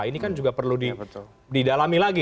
ini kan juga perlu didalami lagi